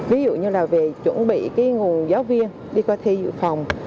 ví dụ như là về chuẩn bị cái nguồn giáo viên đi qua thi dự phòng